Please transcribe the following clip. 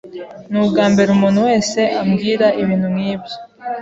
Ni ubwambere umuntu wese ambwira ibintu nkibyo.